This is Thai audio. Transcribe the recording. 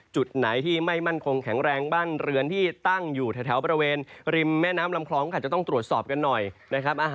จุดไหนที่ไม่มั่นคงแข็งแรงบ้านเรือนที่ตั้งอยู่แถวบริเวณริมแม่น้ำลำคลองค่ะจะต้องตรวจสอบกันหน่อยนะครับ